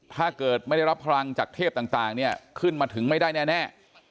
ถ้าเกิดไม่ได้รับพลังจากเทพต่างเนี่ยขึ้นมาถึงไม่ได้แน่